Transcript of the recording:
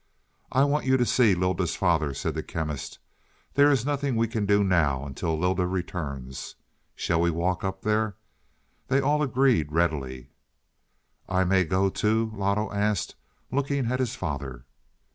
"I want you to see Lylda's father," said the Chemist. "There is nothing we can do now until Lylda returns. Shall we walk up there?" They all agreed readily. "I may go, too?" Loto asked, looking at his father.